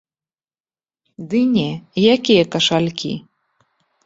Ды не, якія кашалькі.